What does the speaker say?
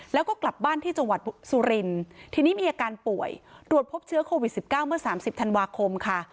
แล้วก็กลับบ้านที่จังหวัดสุรินทีนี้มีอาการป่วยตรวจพบเชื้อโควิด๑๙เมื่อ๓๐ธันวาคมค่ะ